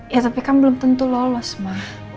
ya tapi kan belum tentu lolos mah